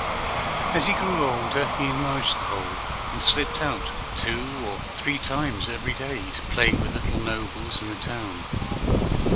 As he grew older he enlarged the hole, and slipped out two or three times every day to play with the little nobles in the town.